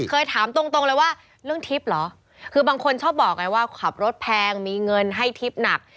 เคยถามตรงตรงเลยว่าเรื่องทิพย์เหรอคือบางคนชอบบอกไงว่าขับรถแพงมีเงินให้ทิพย์หนัก